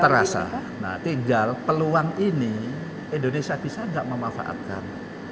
terasa nah tinggal peluang ini indonesia bisa nggak memanfaatkan